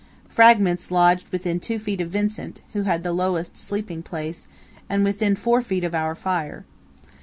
Fragments lodged within two feet of Vincent, who had the lowest sleeping place, and within four feet of our fire.